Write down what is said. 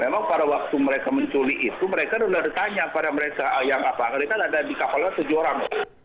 memang pada waktu mereka menculik itu mereka sudah ditanya pada mereka yang apa mereka ada di kapalnya tujuh orang